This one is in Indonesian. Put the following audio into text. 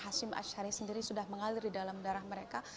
hashim ash'ari sendiri sudah mengalir di dalam darah mereka